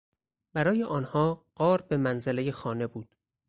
برای آنها غار به منزلهی خانه بود.